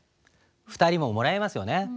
２人ももらいますよね。